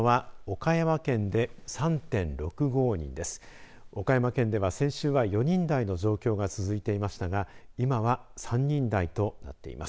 岡山県では先週は４人台の状況が続いていましたが今は３人台となっています。